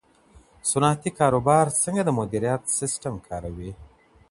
صنعتي کاروبار څنګه د مدیریت سیستم کاروي؟